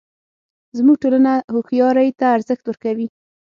زموږ ټولنه هوښیارۍ ته ارزښت ورکوي